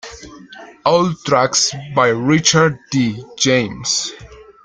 All tracks by Richard D. James.